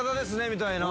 みたいな。